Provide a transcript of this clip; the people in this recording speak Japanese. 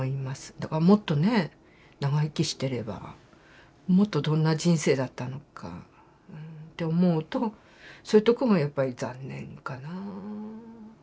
だからもっとね長生きしてればもっとどんな人生だったのかって思うとそういうとこがやっぱり残念かな。